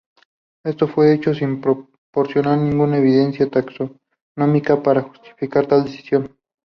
Esto fue hecho sin proporcionar ninguna evidencia taxonómica para justificar tal decisión.